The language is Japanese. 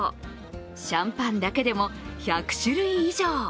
シャンパンだけでも１００種類以上。